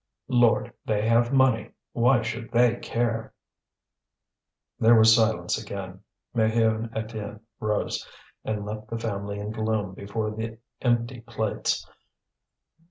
Lord! they have money, why should they care?" There was silence again; Maheu and Étienne rose, and left the family in gloom before the empty plates.